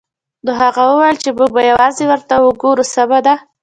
نو هغه وویل چې موږ به یوازې ورته وګورو سمه ده